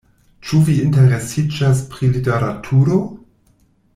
Ĉu vi interesiĝas pri literaturo?